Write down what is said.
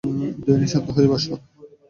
Danny, শান্ত হয়ে বস!